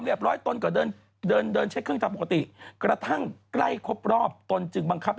ทางนี้เฉยว่าเขาไม่ถาม